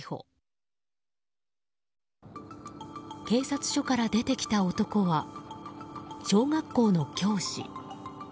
警察署から出てきた男は小学校の教師。